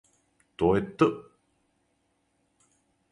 То је т.